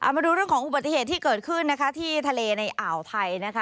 มาดูเรื่องของอุบัติเหตุที่เกิดขึ้นนะคะที่ทะเลในอ่าวไทยนะคะ